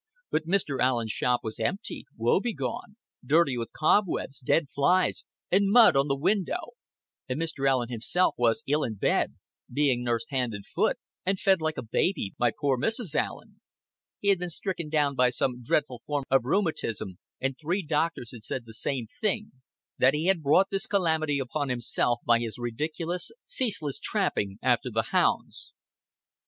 But Mr. Allen's shop was empty, woe begone, dirty with cobwebs, dead flies, and mud on the window; and Mr. Allen himself was ill in bed, being nursed hand and foot, and fed like a baby, by poor Mrs. Allen. He had been stricken down by some dreadful form of rheumatism, and three doctors had said the same thing that he had brought this calamity upon himself by his ridiculous, ceaseless tramping after the hounds.